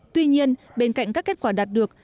tuy nhiên bên cạnh các kết quả đạt được